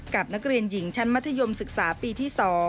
กับนักเรียนหญิงชั้นมัธยมศึกษาปีที่๒